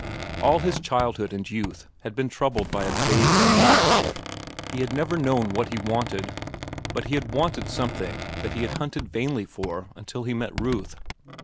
All his childhood and youth had been troubled by a vague unrest; he had never known what he wanted, but he had wanted something that he had hunted vainly for until he met Ruth.